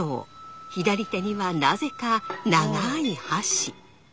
左手にはなぜか長い箸。